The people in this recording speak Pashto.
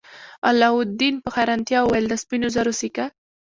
علاوالدین په حیرانتیا وویل د سپینو زرو سکه.